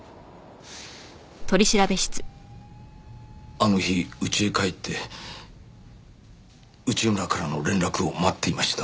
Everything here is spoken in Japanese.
あの日家へ帰って内村からの連絡を待っていました。